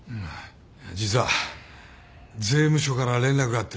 実は税務署から連絡があって。